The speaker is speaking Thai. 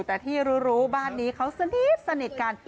แต่ที่รู้บ้านนี้เขาสนิทกัน